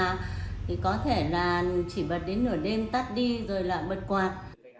thì có thể là chỉ bật đến nửa đêm tắt đi rồi là bật quạt